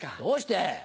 どうして？